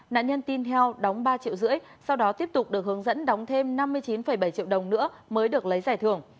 nạn nhân tin theo đóng ba triệu rưỡi sau đó tiếp tục được hướng dẫn đóng thêm năm mươi chín bảy triệu đồng nữa mới được lấy giải thưởng